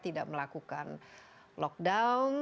tidak melakukan lockdown